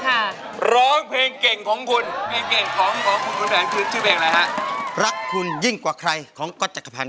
ตอนนี้เลือกไปแล้วคือใบเล็กหนึ่ง